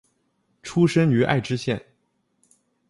出身于爱知县。